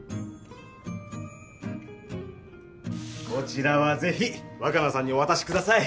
こちらはぜひ若菜さんにお渡しください。